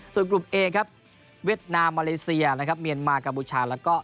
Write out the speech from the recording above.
ส่วนกลุ่มเอครับเวียดนามมาเลเซียนะครับเมียนมากัมพูชาแล้วก็